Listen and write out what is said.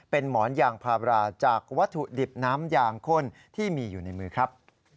เป็นหมอนยางพาราจากวัตถุดิบน้ำยางข้นที่มีอยู่ในมือครับ